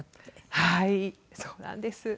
はいそうなんです。